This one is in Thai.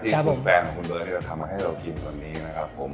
ที่คุณแฟนของคุณเบิร์กที่จะทำให้เรากินตอนนี้นะครับผม